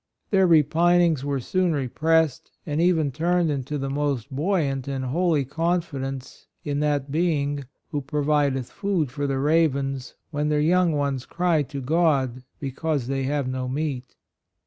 Their re AND DIFFICULTIES. 79 pinings were soon repressed and even turned into the most buoyant and holy confidence in that Being "who provideth food for the ravens when their young ones cry to God because they have no meat."